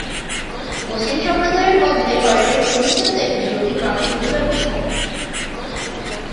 মুসলিম সম্প্রদায়ের মধ্যে পারিবারিক সহিংসতা একটি জটিল মানবাধিকার বিষয়।